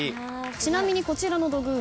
ちなみにこちらの土偶。